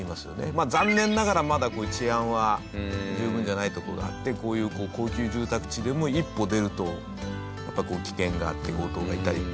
まあ残念ながらまだ治安は十分じゃないとこがあってこういう高級住宅地でも一歩出るとやっぱ危険があって強盗がいたりっていうんで。